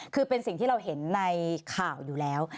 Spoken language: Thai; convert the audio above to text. คือเป็นสิ่งที่เราเห็นในข่าวอยู่แล้ว